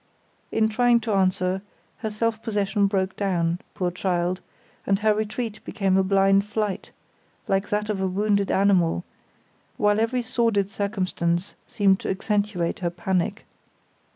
In trying to answer, her self possession broke down, poor child, and her retreat became a blind flight, like that of a wounded animal, while every sordid circumstance seemed to accentuate her panic.